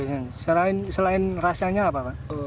selain rasanya apa pak